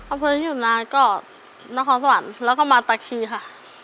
อำเภอที่อยู่นานก็นครสวรรค์แล้วก็มาตาคีค่ะ